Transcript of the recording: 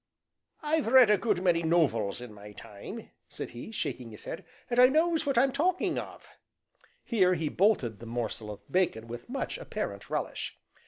"I've read a good many nov els in my time," said he, shaking his head, "and I knows what I'm talking of;" here he bolted the morsel of bacon with much apparent relish.